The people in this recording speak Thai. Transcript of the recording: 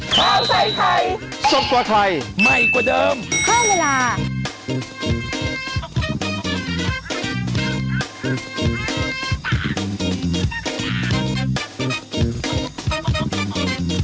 ก็ต้องก็ต้อง